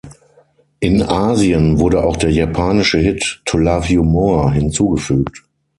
In Asien wurde auch der japanische Hit „To Love You More“ hinzugefügt.